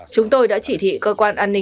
chúng tôi đã chỉ thị cơ quan an ninh